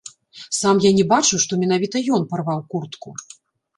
Сам я не бачыў, што менавіта ён парваў куртку.